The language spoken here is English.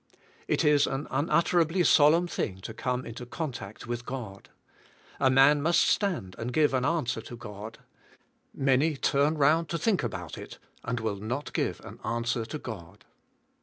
It is an unutterably solemn thing to come into contact with God. A man must stand and give an answer to God. Many turn round to think about it, and will not give an answer to God.